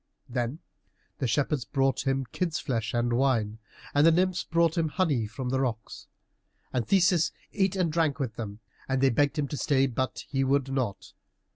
Then the shepherds brought him kids' flesh and wine, and the nymphs brought him honey from the rocks. And Theseus ate and drank with them, and they begged him to stay, but he would not.